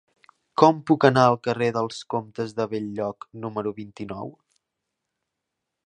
Com puc anar al carrer dels Comtes de Bell-lloc número vint-i-nou?